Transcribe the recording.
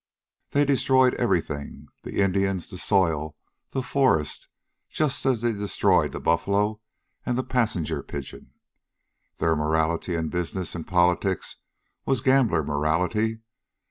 They destroyed everything the Indians, the soil, the forests, just as they destroyed the buffalo and the passenger pigeon. Their morality in business and politics was gambler morality.